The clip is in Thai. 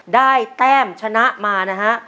แต้มชนะมานะฮะ